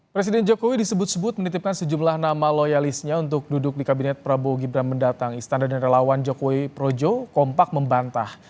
presiden jokowi disebut sebut menitipkan sejumlah nama loyalisnya untuk duduk di kabinet prabowo gibran mendatang istana dan relawan jokowi projo kompak membantah